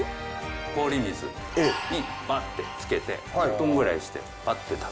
氷水にバッてつけて１分ぐらいしてパッて食べたら。